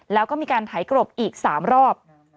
แล้วก็มีการไถกรบอีก๓รอบ